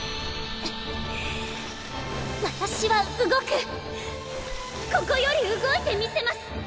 私は動くここより動いてみせます。